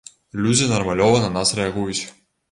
Людзі нармалёва на нас рэагуюць!